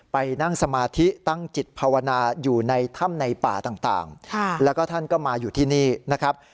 ไปนั่งสมาธิตั้งจิตภาวนาอยู่ในถ้ำในป่าต่างแล้วก็ท่านก็มาอยู่ที่นี่นะครับ